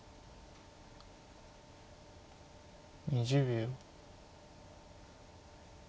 ２０秒。